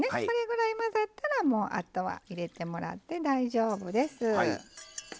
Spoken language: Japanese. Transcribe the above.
これぐらい混ざったらもうあとは入れてもらって大丈夫です。